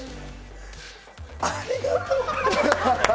ありがとう。